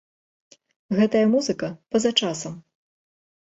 Гэтая музыка па-за часам!